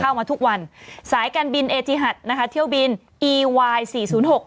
เข้ามาทุกวันสายการบินเอจิหัดนะคะเที่ยวบินอีวายสี่ศูนย์หก